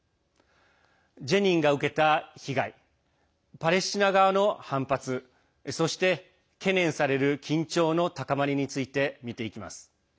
ジェニンが受けた被害パレスチナ側の反発そして、懸念される緊張の高まりについて見ていきます。